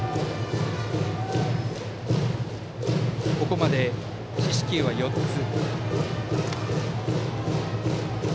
ここまで四死球は４つ。